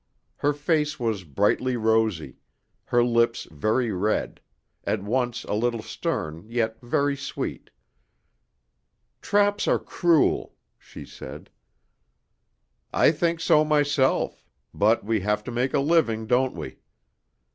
Her face was brightly rosy, her lips very red at once a little stern, yet very sweet. "Traps are cruel," she said. "I think so myself. But we have to make a living, don't we?"